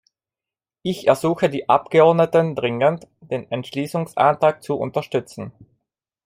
Ich ersuche die Abgeordneten dringend, den Entschließungsantrag zu unterstützen.